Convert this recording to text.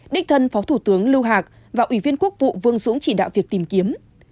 đích thân phó thủ tướng lưu hạc và ủy viên quốc vụ vương xuống chỉ đạo việc tìm kiếm